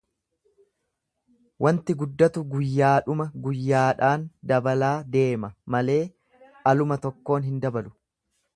Wanti guddatu guyyaadhuma guyyaadhaan dabalaa deema malee aluma tokkoon hin dabalu.